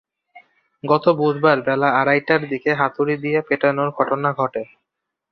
গত বুধবার বেলা আড়াইটার দিকে হাতুড়ি দিয়ে পেটানোর ঘটনা ঘটে।